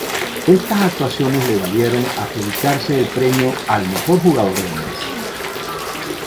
Estas actuaciones le valieron adjudicarse el premio al Mejor Jugador del Mes.